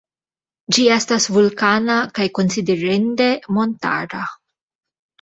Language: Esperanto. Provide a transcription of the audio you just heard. Ĝi estas vulkana kaj konsiderinde montara.